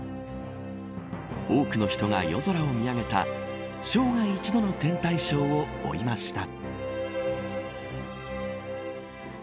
多くの人が夜空を見上げた生涯１度の天体ショーを追いました。